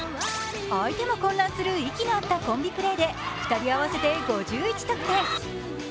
相手も混乱する息の合ったコンビプレーで２人合わせて５１得点。